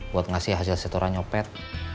buat ngasih hasil setoran nyopet